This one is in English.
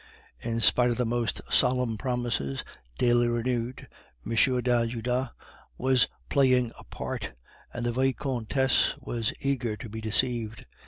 In spite of the most solemn promises, daily renewed, M. d'Ajuda was playing a part, and the Vicomtesse was eager to be deceived.